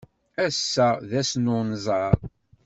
Ass-a d ass n unẓar.